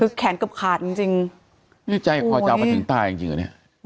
คือแขนกลับขาดจริงจริงนี่ใจขอเจ้าไปถึงตายจริงจริงอ่ะเนี้ย